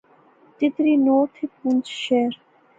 تیتری نوٹ تھی پونچھ شہر